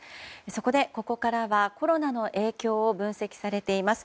そこで、ここからはコロナの影響を分析されています